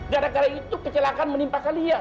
gara gara itu kecelakaan menimpa kalian